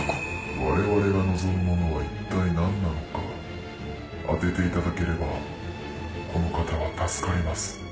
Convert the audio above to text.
我々が望むものは一体何なのか当てていただければこの方は助かります。